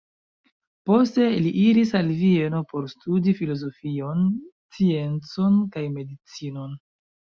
Poste li iris al Vieno por studi filozofion, sciencon kaj medicinon.